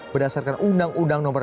berdasarkan undang undang nomor